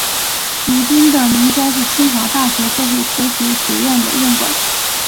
如今的明斋是清华大学社会科学学院的院馆。